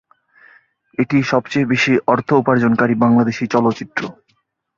এটি সবচেয়ে বেশি অর্থ উপার্জনকারী বাংলাদেশি চলচ্চিত্র।